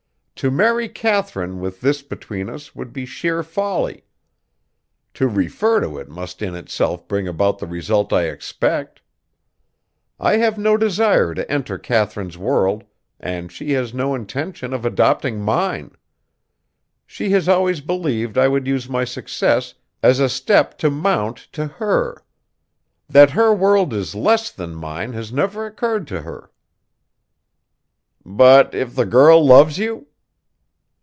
To marry Katharine with this between us would be sheer folly. To refer to it must in itself bring about the result I expect. I have no desire to enter Katharine's world and she has no intention of adopting mine. She has always believed I would use my success as a step to mount to her. That her world is less than mine has never occurred to her." "But if the girl loves you?"